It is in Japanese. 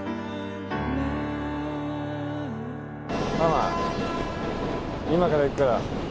ママ今から行くから。